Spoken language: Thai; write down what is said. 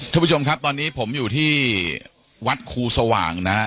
ท่านผู้ชมครับตอนนี้ผมอยู่ที่วัดครูสว่างนะฮะ